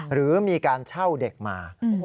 หรือมีการเช่าเด็กมา